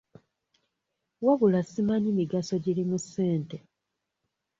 Wabula simanyi migaso giri mu ssente.